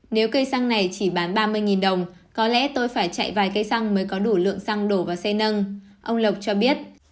nếu cây xăng này chỉ bán ba mươi đồng có lẽ tôi phải chạy vài cây xăng mới có đủ lượng xăng đổ vào xe nâng ông lộc cho biết